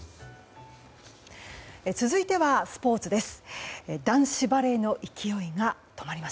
続いては、スポーツです。